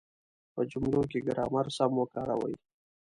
په جملو کې ګرامر سم وکاروئ.